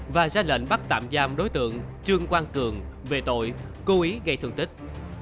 và ra lệnh bắt tạm giam đối tượng trương quang cường về tội cố ý gây thương tích